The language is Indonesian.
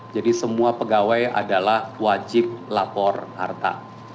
jadi semua pegawai adalah wajib lapor harta